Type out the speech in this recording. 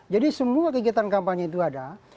jadi semua kegiatan kampanye itu ada